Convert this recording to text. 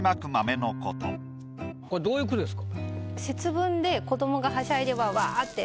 これどういう句ですか？